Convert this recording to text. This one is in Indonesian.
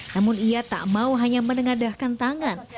namun ia tak mau hanya menengadahkan tangan